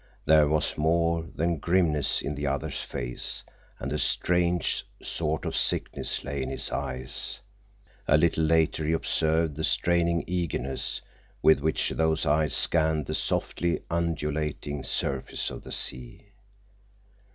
There was more than grimness in the other's face, and a strange sort of sickness lay in his eyes. A little later he observed the straining eagerness with which those eyes scanned the softly undulating surface of the sea.